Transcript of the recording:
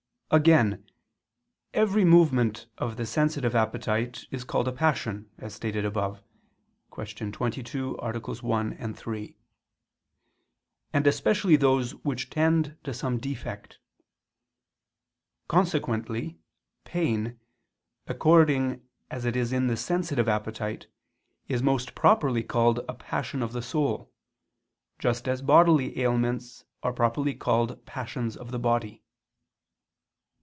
Again every movement of the sensitive appetite is called a passion, as stated above (Q. 22, AA. 1, 3): and especially those which tend to some defect. Consequently pain, according as it is in the sensitive appetite, is most properly called a passion of the soul: just as bodily ailments are properly called passions of the body.